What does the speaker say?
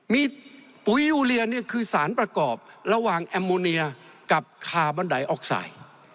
มีปุ๋ยอูเลียเนี่ยคือสารประกอบระหว่างแอมโมเนียกับคาร์บอนไดออกไซด์